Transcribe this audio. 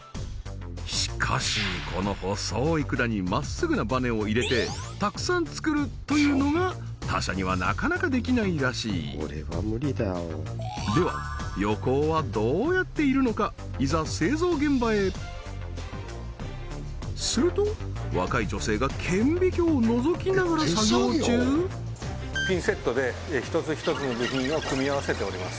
しかしこの細い管にまっすぐなバネを入れてたくさん作るというのが他社にはなかなかできないらしいではいざ製造現場へすると若い女性が顕微鏡をのぞきながら作業中ピンセットで一つ一つの部品を組み合わせております